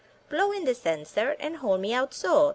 Blow in this end, sir, and hold me out, so.